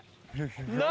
何？